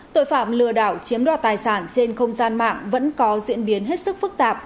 tội phạm lừa đảo chiếm đoạt tài sản trên không gian mạng vẫn có diễn biến hết sức phức tạp